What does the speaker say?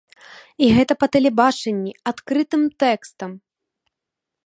І гэта па тэлебачанні, адкрытым тэкстам!